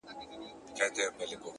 نن شپه بيا زه پيغور ته ناسته يمه ـ